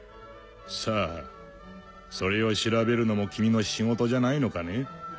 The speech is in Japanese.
さぁそれを調べるのも君の仕事じゃないのかね？